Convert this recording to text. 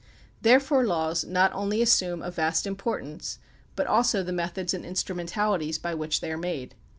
Therefore laws not only assume a vast importance, but also the methods and instrumen talities by which they are made.